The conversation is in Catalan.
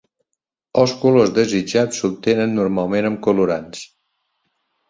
Els colors desitjats s'obtenen normalment amb colorants.